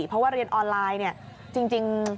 เพราะว่าเรียนออนไลน์เนี่ยจริง